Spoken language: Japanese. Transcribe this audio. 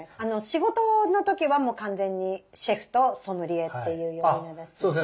仕事の時はもう完全にシェフとソムリエっていう呼び名ですし。